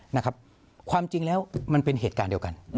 นะครับความจริงแล้วมันเป็นเหตุการณ์เดียวกัน